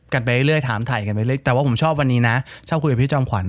กันไปเรื่อยถามถ่ายกันไปเรื่อยแต่ว่าผมชอบวันนี้นะชอบคุยกับพี่จอมขวัญ